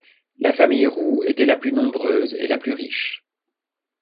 La famille Roux était la plus nombreuse et la plus riche.